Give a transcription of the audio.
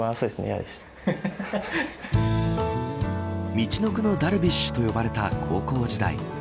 みちのくのダルビッシュと呼ばれた高校時代。